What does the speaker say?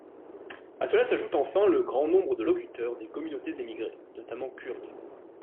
À cela s'ajoute enfin le grand nombre de locuteurs des communautés émigrées, notamment kurdes.